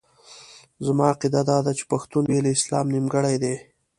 زما عقیده داده چې پښتون بې له اسلام نیمګړی دی.